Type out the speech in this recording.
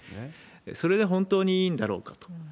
それで本当にいいんだろうかと。